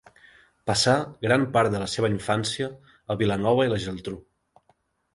Passà gran part de la seva infància a Vilanova i la Geltrú.